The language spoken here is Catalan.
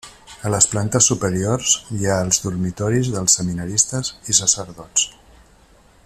A les plantes superiors hi ha els dormitoris dels seminaristes i sacerdots.